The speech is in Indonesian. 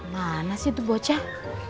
mana sih tuh bocah